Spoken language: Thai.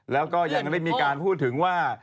แล้วก็ยังได้มีการพูดถึงว่า